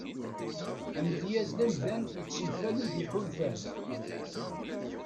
Amedyaz d amdan yettenfalen d iḥulfan.